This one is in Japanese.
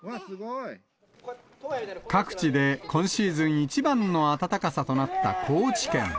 各地で今シーズン一番の暖かさとなった高知県。